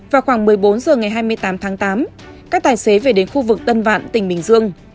vào khoảng một mươi bốn h ngày hai mươi tám tháng tám các tài xế về đến khu vực tân vạn tỉnh bình dương